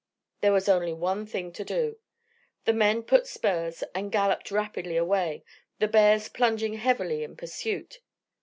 There was only one thing to do. The men put spurs and galloped rapidly away, the bears plunging heavily in pursuit.